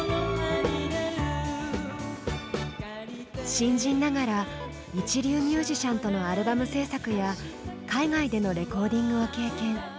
新人ながら一流ミュージシャンとのアルバム制作や海外でのレコーディングを経験。